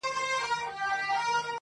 په قسمت کي بری زما وو رسېدلی٫